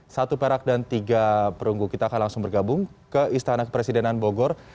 satu perak dan tiga perunggu kita akan langsung bergabung ke istana kepresidenan bogor